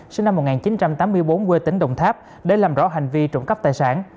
sinh năm một nghìn chín trăm tám mươi bốn quê tỉnh đồng tháp để làm rõ hành vi trộm cắp tài sản